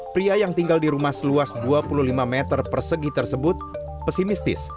pria yang tinggal di rumah seluas dua puluh lima meter persegi tersebut pesimistis